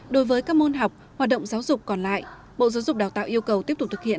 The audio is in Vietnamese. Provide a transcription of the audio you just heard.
đối với các môn học hoạt động giáo dục còn lại bộ giáo dục đào tạo yêu cầu tiếp tục thực hiện